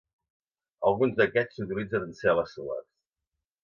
Alguns d'aquests s'utilitzen en cel·les solars.